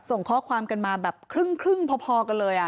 ส่งข้อความกันมาแบบครึ่งพอกันเลย